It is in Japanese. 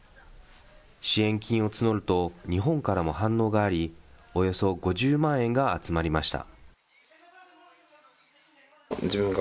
支援金を募ると、日本からも反応があり、およそ５０万円が集まりました。